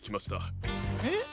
えっ？